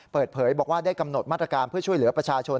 เปิดเผยบอกว่าได้กำหนดมาตรการเพื่อช่วยเหลือประชาชน